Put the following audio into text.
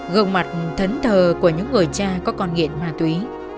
gương mặt thấn thờ của những người cha có con nghiện ma túy